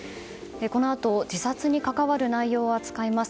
このあと自殺に関わる内容を扱います。